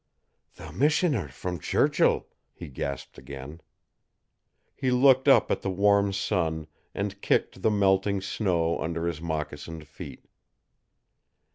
"The missioner from Churchill!" he gasped again. He looked up at the warm sun, and kicked the melting snow under his moccasined feet.